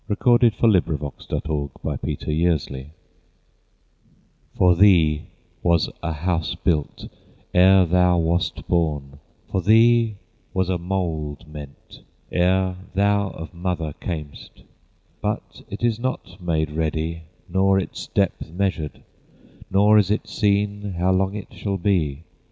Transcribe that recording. FROM THE ANGLO SAXON THE GRAVE For thee was a house built Ere thou wast born, For thee was a mould meant Ere thou of mother camest. But it is not made ready, Nor its depth measured, Nor is it seen How long it shall be.